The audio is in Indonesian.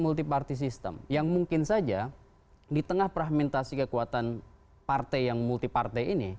multi party system yang mungkin saja di tengah fragmentasi kekuatan partai yang multi partai ini